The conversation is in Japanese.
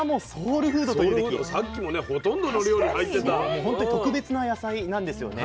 もう本当に特別な野菜なんですよね。